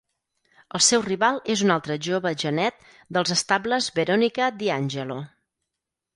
El seu rival és un altre jove genet dels estables Veronica DiAngelo.